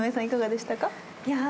いかがでしたか？